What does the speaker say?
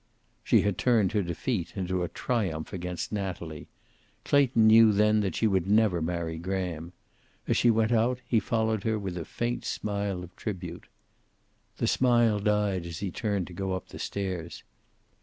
She had turned her defeat into a triumph against Natalie. Clayton knew then that she would never marry Graham. As she went out he followed her with a faint smile of tribute. The smile died as he turned to go up the stairs.